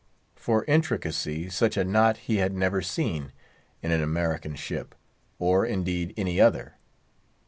For intricacy, such a knot he had never seen in an American ship, nor indeed any other.